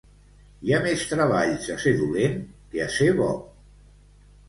Hi ha més treballs a ser dolent que a ser bo.